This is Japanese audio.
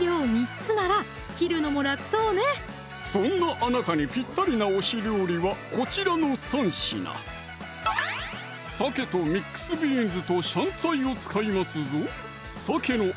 そんなあなたにぴったりな推し料理はこちらの３品鮭とミックスビーンズとシャンツァイを使いますぞ